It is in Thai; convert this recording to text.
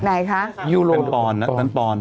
ไหนคะยูโรปอนปอน